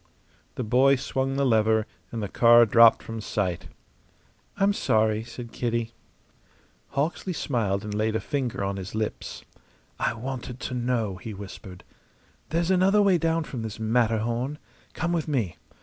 The boy swung the lever, and the car dropped from sight. "I'm sorry," said Kitty. Hawksley smiled and laid a finger on his lips. "I wanted to know," he whispered. "There's another way down from this Matterhorn. Come with me.